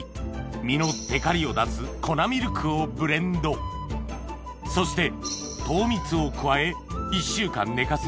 身のてかりを出す粉ミルクをブレンドそして糖蜜を加え１週間寝かせ